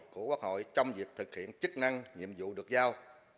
của quốc hội trong việc thực hiện chức năng nhiệm vụ được giao